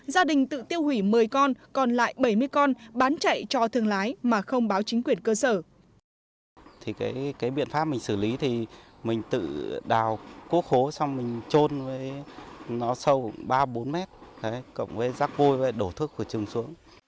gia đình tự tiêu hủy một mươi con còn lại bảy mươi con bán chạy cho thương lái mà không báo chính quyền cơ sở